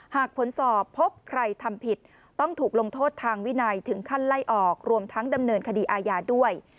หากผลสอบพบใครทำผิดต้องถูกลงโทษทางวินัยถึงขั้นไล่ออกรวมทั้งดำเนินคดีอาญาด้วย